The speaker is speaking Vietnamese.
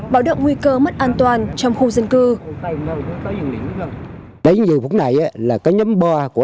bảo đợi nguy cơ mất an toàn trong khu dân cư